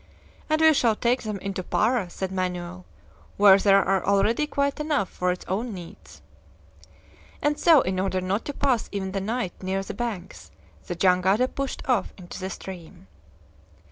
"And we shall take them into Para," said Manoel, "where there are already quite enough for its own needs." And so, in order not to pass even the night near the banks, the jangada pushed off into the stream.